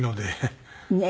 ねえ。